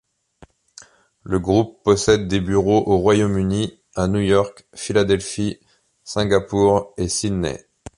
Le groupe possède des bureaux au Royaume-Uni, à New York, Philadelphie, Singapour et Sydney.